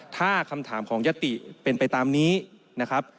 ถ้าคำถามของยติเป็นไปตามนี้นะครับ